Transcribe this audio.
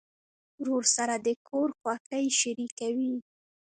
ورور سره د کور خوښۍ شریکوي.